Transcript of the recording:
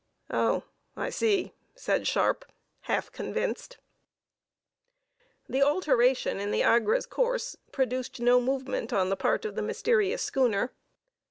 "Oh, I see," said Sharpe, half convinced. The alteration in the Agra's course produced no movement on the part of the mysterious schooner.